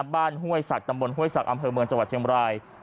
ห้วยศักดิตำบลห้วยศักดิ์อำเภอเมืองจังหวัดเชียงบราย